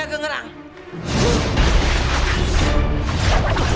aku menyesatkan warga seperti ini